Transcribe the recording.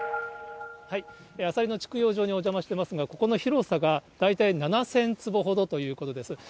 アサリの畜養場にお邪魔してますが、ここの広さが大体７０００坪ほどということです。